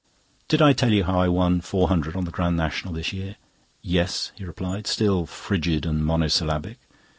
"Did I tell you how I won four hundred on the Grand National this year?" "Yes," he replied, still frigid and mono syllabic.